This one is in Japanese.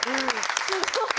すごい！